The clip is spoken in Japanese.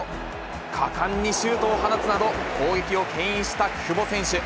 果敢にシュートを放つなど、攻撃をけん引した久保選手。